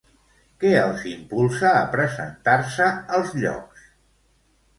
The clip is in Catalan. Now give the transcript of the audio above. Què els impulsa a presentar-se als llocs?